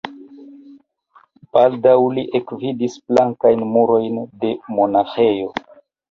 Baldaŭ li ekvidis blankajn murojn de monaĥejo.